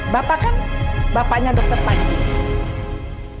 bapak kan bapaknya dokter panji